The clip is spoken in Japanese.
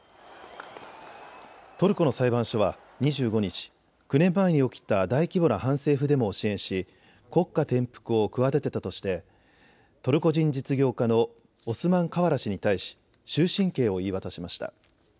トルコの裁判所は２５日、９年前に起きた大規模な反政府デモを支援し国家転覆を企てたとしてトルコ人実業家のオスマン・カワラ氏に対し終身刑を言い渡しました。